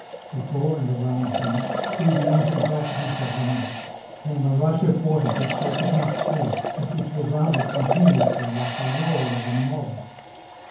Before and around them, through the inky blackness of the night, came a rush of water which they could not see, but which resounded continuously like the roar of a mob.